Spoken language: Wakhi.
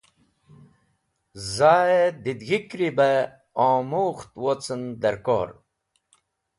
Zaẽ didẽg̃hikri bẽ omukht wocn dẽrkor.